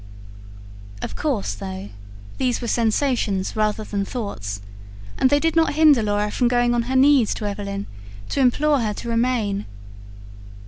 Of course, though, these were sensations rather than thoughts; and they did not hinder Laura from going on her knees to Evelyn, to implore her to remain.